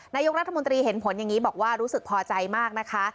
นายกรัฐมนตรีเห็นผลอย่างนี้บอกว่ารู้สึกพอใจมากนะคะ